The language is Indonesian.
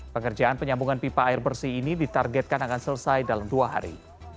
pengerjaan penyambungan pipa air bersih ini ditargetkan akan selesai dalam dua hari